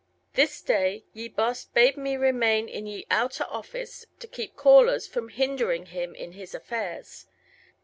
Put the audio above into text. Thys daye ye Bosse bade mee remaine in ye Outer Office to keepe Callers from Hinderyng Hym in Hys affaires.